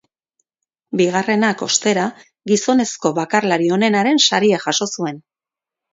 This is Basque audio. Bigarrenak, ostera, gizonezko bakarlari onenaren saria jaso zuen.